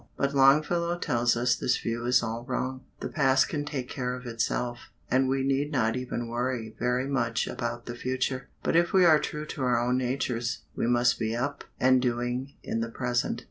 But Longfellow tells us this view is all wrong. The past can take care of itself, and we need not even worry very much about the future; but if we are true to our own natures, we must be up and doing in the present.